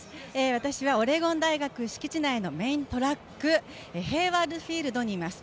私はオレゴン大学敷地内のメイントラックヘイワード・フィールドにいます。